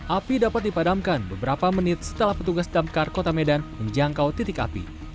api dapat dipadamkan beberapa menit setelah petugas damkar kota medan menjangkau titik api